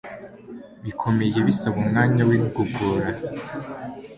bikomeye, bisaba umwanya w’igogora.